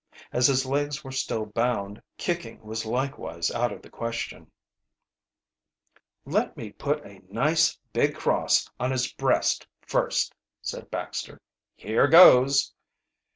As his legs were still bound, kicking was likewise out of the question. "Let me put a nice big cross on his breast first," said Baxter. "Here goes!"